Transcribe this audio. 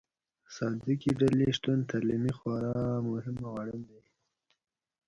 صادقې ډلې شتون تعلیمي خورا مهم او اړين دي.